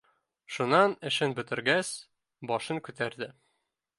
Шунан, эшен бөтөргәс, башын күтәрҙе